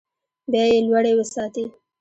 بیې لوړې وساتي.